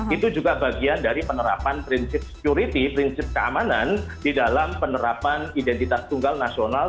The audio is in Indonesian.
itu juga bagian dari penerapan prinsip security prinsip keamanan di dalam penerapan identitas tunggal nasional